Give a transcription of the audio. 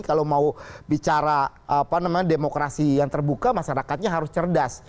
kalau mau bicara demokrasi yang terbuka masyarakatnya harus cerdas